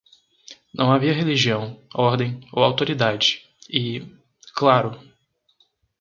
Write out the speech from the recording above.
Não havia religião, ordem ou autoridade e... claro!